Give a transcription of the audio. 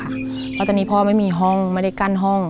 เพราะตอนนี้พ่อไม่มีห้องไม่ได้กั้นห้อง